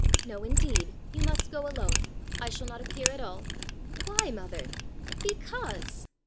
'"No, indeed; you must go alone. I shall not appear at all." '"Why, mother?" '"_Because!